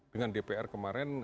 dengan dpr kemarin